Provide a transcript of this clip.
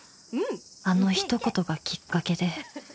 ［あの一言がきっかけで］